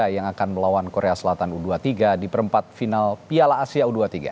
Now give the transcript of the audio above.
yang akan melawan korea selatan u dua puluh tiga di perempat final piala asia u dua puluh tiga